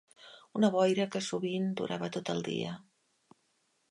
Una boira que sovint durava tot el dia